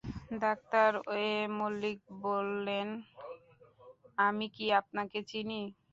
Doctor A Mallick বললেন, আমি কি আপনাকে চিনি?